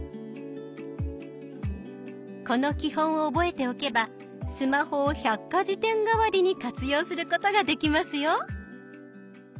この基本を覚えておけばスマホを百科事典代わりに活用することができますよ。